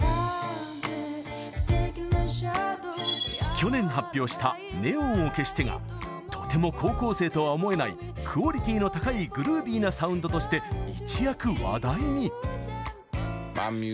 去年、発表した「ネオンを消して」がとても高校生とは思えないクオリティーの高いグルービーなサウンドとして一躍、話題に。